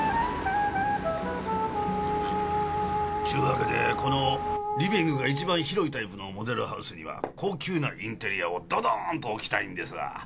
ちゅうわけでこのリビングがいちばん広いタイプのモデルハウスには高級なインテリアをドドン！と置きたいんですわ。